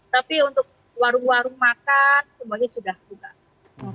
tapi untuk warung warung makan semuanya sudah buka